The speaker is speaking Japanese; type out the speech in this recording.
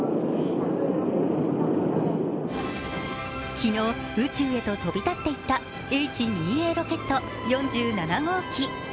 昨日、宇宙へと飛び立っていったＨ２Ａロケット４７号機。